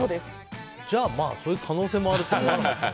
じゃあ、そういう可能性もあるということで。